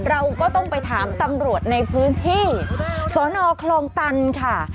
เราก็ต้องไปถามตำรวจในพื้นที่สนคลองตันค่ะ